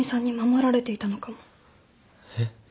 えっ？